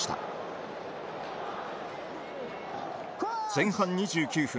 前半２９分。